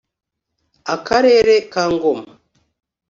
Akarere ka Ngoma